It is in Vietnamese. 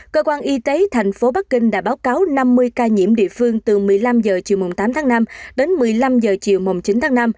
cơ quan y tế thành phố bắc kinh đã báo cáo năm mươi ca nhiễm địa phương từ một mươi năm h chiều tám tháng năm đến một mươi năm h chiều chín tháng năm